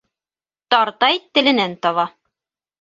Тартай теленән таба.